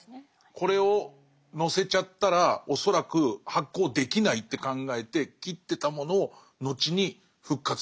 これを載せちゃったら恐らく発行できないって考えて切ってたものを後に復活させてるってことですね。